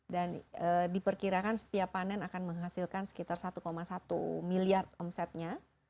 dan diperkirakan setiap panen akan menghasilkan sekitar satu satu miliar omsetnya